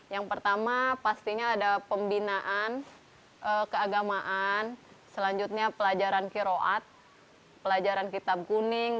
yang pertama pastinya ada pembinaan keagamaan selanjutnya pelajaran kiroat pelajaran kitab kuning